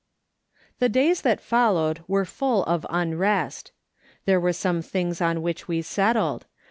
'* The days that followed were full of unrest. There were some things on which we settled.